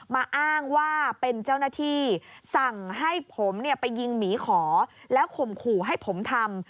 อ้างว่าเป็นเจ้าหน้าที่สั่งให้ผมไปยิงหมีขอแล้วข่มขู่ให้ผมทำ